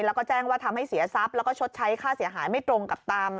แล้วก็แจ้งว่าทำให้เสียทรัพย์แล้วก็ชดใช้ค่าเสียหายไม่ตรงกับตาม